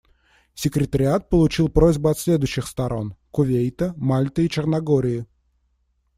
Секретариат получил просьбы от следующих сторон: Кувейта, Мальты и Черногории.